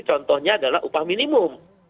contohnya adalah upah minimum